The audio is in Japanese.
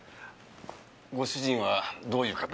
ご主人はどういう方？